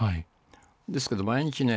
ですけど毎日ね、